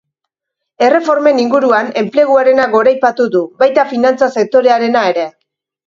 Erreformen inguruan, enpleguarena goraipatu du, baita finantza sektorearena ere.